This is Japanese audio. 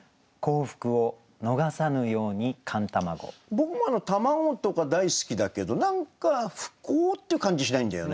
僕も卵とか大好きだけど何か不幸っていう感じしないんだよね。